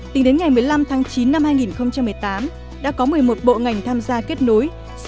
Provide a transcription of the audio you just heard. tính đến ngày một mươi năm tháng chín năm hai nghìn một mươi tám đã có một mươi một bộ ngành tham gia kết nối